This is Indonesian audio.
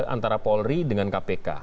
antara kapolri dengan kpk